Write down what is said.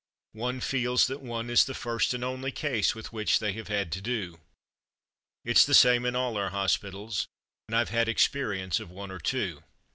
One feels that one is the first and only case with which they have had to do. It's the same in all our hospitals, and IVe had experience of one or two.